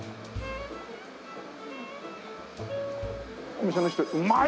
お店の人うまい！